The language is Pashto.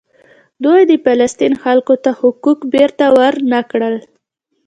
دوی د فلسطین خلکو ته حقوق بیرته ورنکړل.